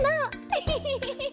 エヘヘヘヘヘ。